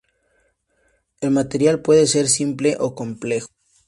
El material puede ser simple o complejo.